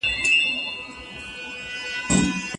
د دوی اکا د دوی شتمني اخيستې ده.